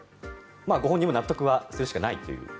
ご本人も納得するしかないという。